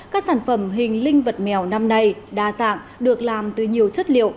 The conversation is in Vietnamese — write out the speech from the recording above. các sản phẩm hình linh vật mèo năm nay đa dạng được làm từ nhiều chất liệu